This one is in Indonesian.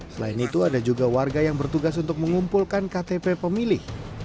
selain itu ada juga warga yang bertugas untuk mengumpulkan ktp pemilih